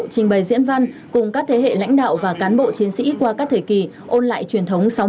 trình bày diễn văn cùng các thế hệ lãnh đạo và cán bộ chiến sĩ qua các thời kỳ ôn lại truyền thống